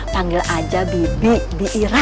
panggil aja bibi bira